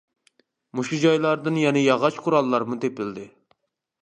مۇشۇ جايلاردىن يەنە ياغاچ قوراللارمۇ تېپىلدى.